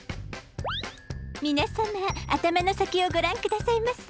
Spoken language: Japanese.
皆様頭の先をご覧くださいませ。